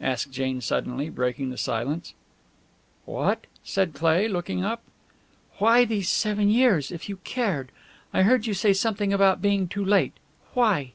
asked Jane suddenly, breaking the silence. "What?" said Cleigh, looking up. "Why these seven years if you cared? I heard you say something about being too late. Why?"